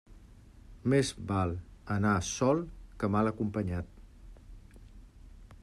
Més val anar sol que mal acompanyat.